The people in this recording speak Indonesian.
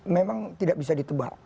memang tidak bisa ditebak